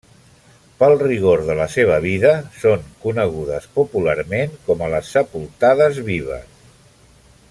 Pel rigor de la seva vida són conegudes popularment com a les sepultades vives.